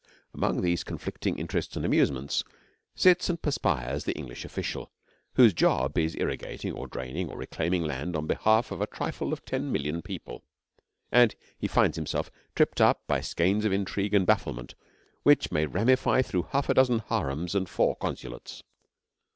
Among these conflicting interests and amusements sits and perspires the English official, whose job is irrigating or draining or reclaiming land on behalf of a trifle of ten million people, and he finds himself tripped up by skeins of intrigue and bafflement which may ramify through half a dozen harems and four consulates.